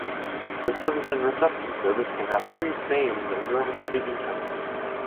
This citizen reception service can have various names in German-speaking countries